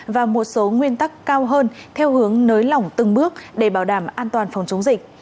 và một số nguyên tắc cao hơn theo hướng nới lỏng từng bước để bảo đảm an toàn phòng chống dịch